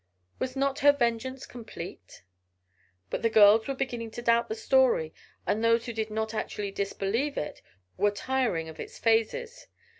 Was not her vengeance complete? But the girls were beginning to doubt the story, and those who did not actually disbelieve it were tiring of its phases.